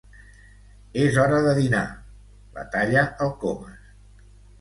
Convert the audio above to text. És hora de dinar —la talla el Comas—.